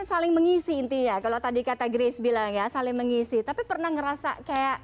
saling mengisi intinya kalau tadi kata grace bilang ya saling mengisi tapi pernah ngerasa kayak